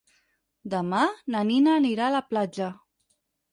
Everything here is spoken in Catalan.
Demà na Nina anirà a la platja.